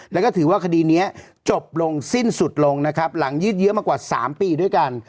แล้วก็ถือว่าคดีนี้จบลงสิ้นสุดลงนะครับหลังยืดเยอะมากว่า๓ปีด้วยกัน